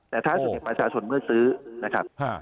แต่ถ้าส่วนใหญ่ประสาทชนเมื่อซื้อนะครับ